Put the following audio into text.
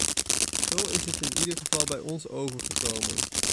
Zo is het in ieder geval bij ons overgekomen.